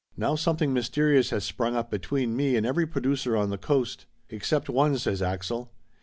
Now something mysterious has sprung up between me and every producer on the Coast!" "Except one," says Axel.